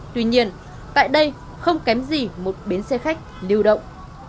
tuy nhiên tại đây không kém gì một bến xe khách lưu động